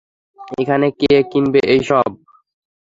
এখানে কে কিনবে এইসব?